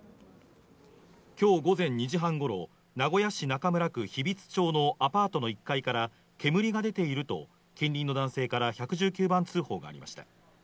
今日午前２時半ごろ、名古屋市中村区日比津町のアパートの１階から煙が出ていると近隣の男性から１１９番通報がありました。